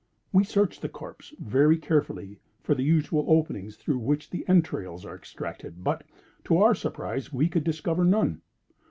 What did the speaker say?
We searched the corpse very carefully for the usual openings through which the entrails are extracted, but, to our surprise, we could discover none.